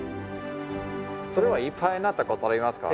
それはいっぱいになったことはありますか？